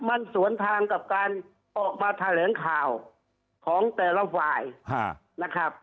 มันสวนทางกับการออกมาแถลงข่าวของแต่ละฝ่ายนะครับ